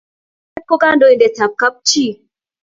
Katunisyet ko kandoindetab kapchi.